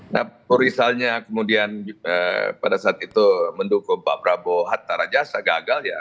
nah kalau misalnya kemudian pada saat itu mendukung pak prabowo hatta rajasa gagal ya